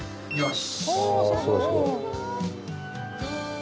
よし！